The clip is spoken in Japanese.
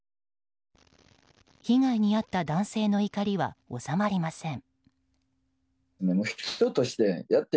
被害に遭った男性の怒りは収まりません。